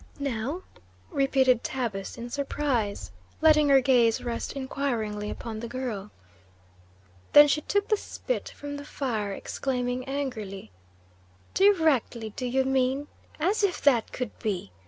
"Now?" repeated Tabus in surprise, letting her gaze rest inquiringly upon the girl. Then she took the spit from the fire, exclaiming angrily: "Directly, do you mean? As if that could be!